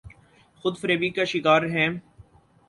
خود فریبی کا شکارہیں۔